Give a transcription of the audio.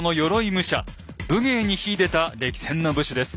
武芸に秀でた歴戦の武士です。